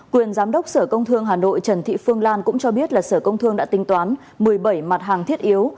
quyền giám đốc sở công thương hà nội trần thị phương lan cũng cho biết là sở công thương đã tính toán một mươi bảy mặt hàng thiết yếu